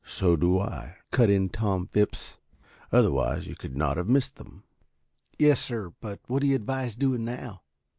"So do I," cut in Tom Phipps. "Otherwise you could not have missed them." "Yes, sir. But what would you advise doing now?"